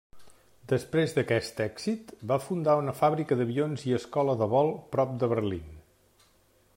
Després d'aquest èxit, va fundar una fàbrica d'avions i escola de vol prop de Berlín.